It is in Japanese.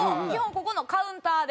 ここのカウンターで。